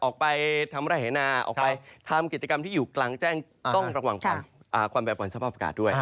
ออกไปทำไร่เหนาออกไปทำกิจกรรมที่อยู่กลางแจ้งต้องระวังความแปรปวนสภาพอากาศด้วย